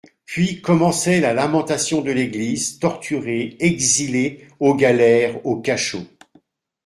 Puis commençait la lamentation de l'Église, torturée, exilée, aux galères, aux cachots.